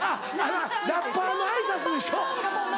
ラッパーの挨拶でしょ？